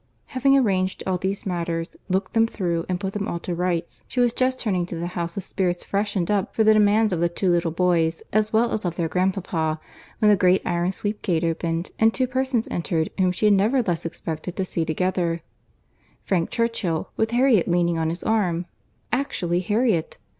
Having arranged all these matters, looked them through, and put them all to rights, she was just turning to the house with spirits freshened up for the demands of the two little boys, as well as of their grandpapa, when the great iron sweep gate opened, and two persons entered whom she had never less expected to see together—Frank Churchill, with Harriet leaning on his arm—actually Harriet!